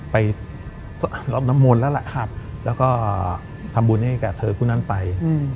ไปรับน้ำมนต์แล้วล่ะแล้วก็ทำบุญให้กับเธอคู่นั้นไป